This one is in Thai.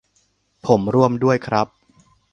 ผมร่วมด้วยครับ